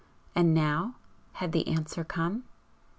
And now had the answer come?